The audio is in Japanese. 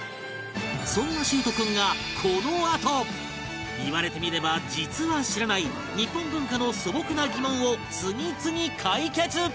そんな秀斗君がこのあと言われてみれば実は知らない日本文化の素朴な疑問を次々解決